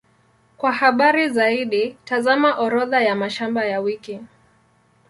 Kwa habari zaidi, tazama Orodha ya mashamba ya wiki.